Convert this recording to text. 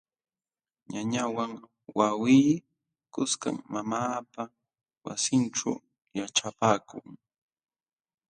Ñañawan wawqii kuskam mamaapa wasinćhu yaćhapaakun.